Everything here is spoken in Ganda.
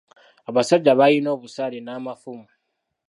Abasajja baaalina obusaale n'amafumu!